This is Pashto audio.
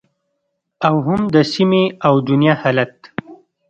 او هم د سیمې او دنیا حالت